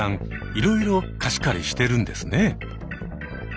いろいろ貸し借りしてるんですね。